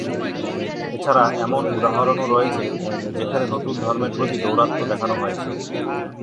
এছাড়া, এমন উদাহরণও রয়েছে, যেখানে নতুন ধর্মের প্রতি দৌরাত্ম্য দেখানো হয়েছে।